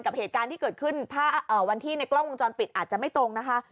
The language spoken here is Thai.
กับเหตุการณ์ที่เกิดขึ้นวันที่ในกล้องวงจรปิดอาจจะไม่ตรงนะคะ